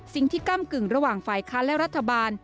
สิ่งที่ก้ำกึ่งระหว่างฝ่ายค้าและรัฐบาล